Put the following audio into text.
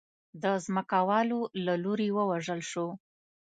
د ځمکوالو له لوري ووژل شو.